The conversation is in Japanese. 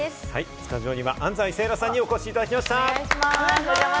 スタジオには安斉星来さんにお越しいただきました。